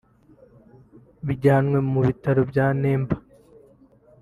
bajyanwa mu bitaro bya Nemba